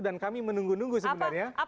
dan kami menunggu nunggu sebenarnya